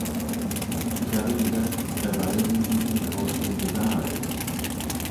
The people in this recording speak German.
Ich habe gesagt, verweisen Sie ihn aus dem Saal!